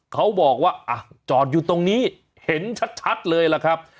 เขาบอกว่าจอดอยู่ตรงนี้เห็นชัดเลยล่ะครับ